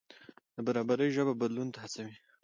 د برابرۍ ژبه بدلون ته هڅوي.